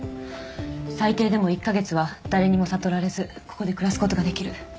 最低でも１カ月は誰にも悟られずここで暮らすことができる。